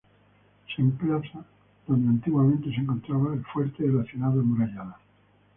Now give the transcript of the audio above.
Se emplaza donde antiguamente se encontraba el Fuerte de la ciudad amurallada.